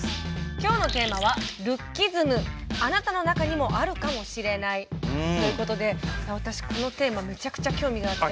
今日のテーマは「ルッキズムあなたの中にもあるかもしれない」ということで私このテーマめちゃくちゃ興味があって。